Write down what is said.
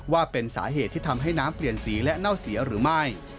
ว่าเป็นสาเหตุที่ทำให้น้ำเปลี่ยนสีและเน่าเสียหรือไม่